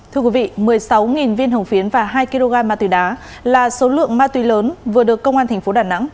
thưa quý vị một mươi sáu viên hồng phiến và hai kg ma túy đá là số lượng ma túy lớn vừa được công an tp đà nẵng